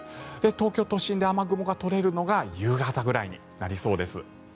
東京都心で雨雲が取れるのが夕方ぐらいになりそうです。